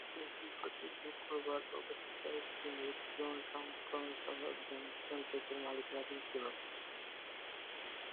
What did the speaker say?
এটি প্রতি শুক্রবার প্রকাশিত একটি মুদ্রণ সংস্করণ সহ জনস্টন প্রেসের মালিকানাধীন ছিল।